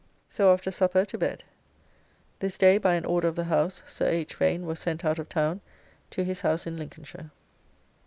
So after supper to bed. This day, by an order of the House, Sir H. Vane was sent out of town to his house in Lincolnshire.